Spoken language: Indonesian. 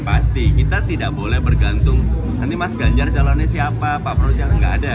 pasti kita tidak boleh bergantung ini mas ganjar calonnya siapa pak prabowo nggak ada